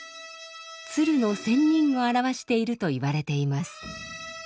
鶴の仙人を表していると言われています。